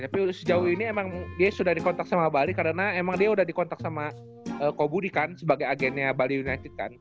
tapi sejauh ini emang dia sudah dikontak sama bali karena emang dia udah dikontak sama kobudi kan sebagai agennya bali united kan